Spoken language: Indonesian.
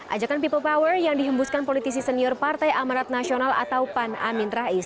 ajakan people power yang dihembuskan politisi senior partai amarat nasional atau pan amin rais